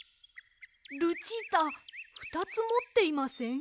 ルチータふたつもっていません？